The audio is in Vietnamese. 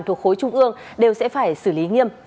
thuộc khối trung ương đều sẽ phải xử lý nghiêm